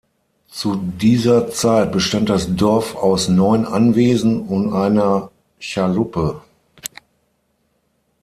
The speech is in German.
Zu dieser Zeit bestand das Dorf aus neun Anwesen und einer Chaluppe.